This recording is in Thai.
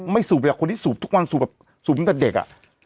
ไม่สูบอย่างคนที่สูบทุกวันสูบแบบสูบตั้งแต่เด็กอะ